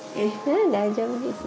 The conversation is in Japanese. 大丈夫ですよ。